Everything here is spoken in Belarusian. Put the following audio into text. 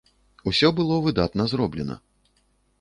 Усё было выдатна зроблена.